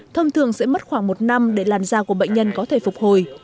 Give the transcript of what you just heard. thông thường sẽ mất khoảng một năm để làn da của bệnh nhân có thể phục hồi